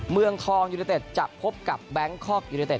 เมืองทองยูนิเต็ดจะพบกับแบงคอกยูเนเต็